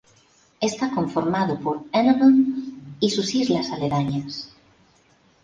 Está conformado por Annobón y sus islas aledañas.